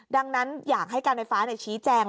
ดังนั้นอยากให้การไฟฟ้าชี้แจง